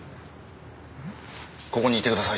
ここにいてください。